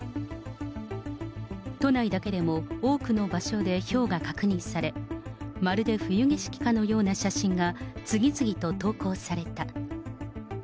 都内だけでも多くの場所でひょうが確認され、まるで冬景色かのような写真が次々と投稿された。